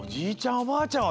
おばあちゃん